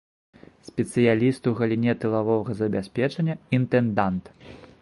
Спецыяліст у галіне тылавога забеспячэння, інтэндант.